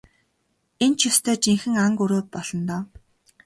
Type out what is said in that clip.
Энэ ч ёстой жинхэнэ ан гөрөө болно доо.